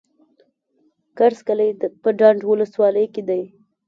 کرز کلی په ډنډ ولسوالۍ کي دی.